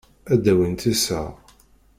Ad d-awint iseɣ.